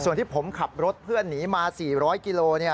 ส่วนที่ผมขับรถเพื่อนหนีมา๔๐๐กิโล